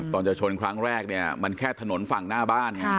ตอนจะชนครั้งแรกเนี่ยมันแค่ถนนฝั่งหน้าบ้าน